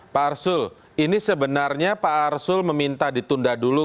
pak arsul ini sebenarnya pak arsul meminta ditunda dulu